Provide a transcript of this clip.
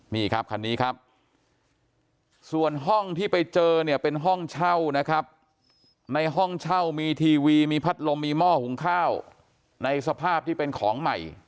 นี่ครับคันนี้ครับส่วนห้องที่ไปเจอเนี่ยเป็นห้องเช่านะครับในห้องเช่ามีทีวีมีพัดลมมีหม้อหุงข้าวในสภาพที่เป็นของใหม่